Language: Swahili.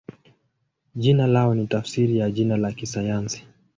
Jina lao ni tafsiri ya jina la kisayansi.